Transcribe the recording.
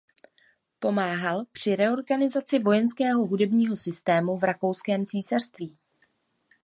Pomáhal při reorganizaci vojenského hudebního systému v Rakouského císařství.